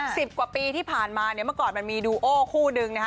สิบกว่าปีที่ผ่านมาเนี่ยเมื่อก่อนมันมีดูโอคู่หนึ่งนะฮะ